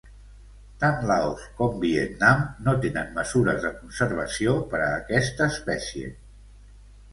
Tant Laos com Vietnam no tenen mesures de conservació per a aquesta espècie.